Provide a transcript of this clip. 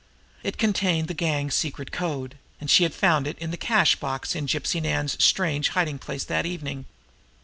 It contained the gang's secret code, and she had found it in the cash box in Gypsy Nan's strange hiding place that evening.